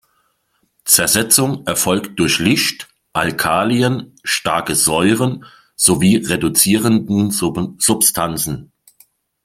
Zersetzung erfolgt durch Licht, Alkalien, starke Säuren sowie reduzierenden Substanzen.